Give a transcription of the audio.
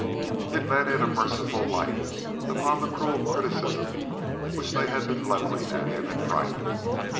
It let in a merciful light upon the cruel criticism which they had been leveling at him in private.